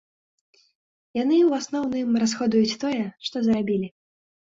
Яны, у асноўным, расходуюць тое, што зарабілі.